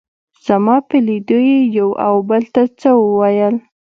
زما په لیدو یې یو او بل ته څه وویل.